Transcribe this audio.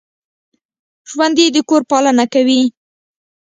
ژوندي د کور پالنه کوي